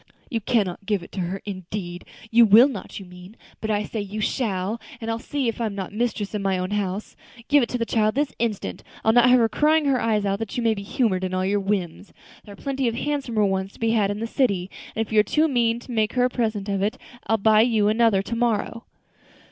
"You can not give it to her, indeed! You will not, you mean; but I say you shall; and I'll see if I'm not mistress in my own house. Give it to the child this instant; I'll not have her crying her eyes out that you may be humored in all your whims. There are plenty of handsomer ones to be had in the city, and if you are too mean to make her a present of it, I'll buy you another to morrow."